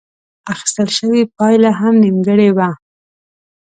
اخيستل شوې پايله هم نيمګړې وه.